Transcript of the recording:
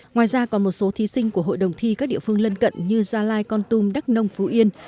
ngoài ra còn một số thí sinh của hội đồng thi các địa phương lân cận như gia lai con tum đắk nông phú yên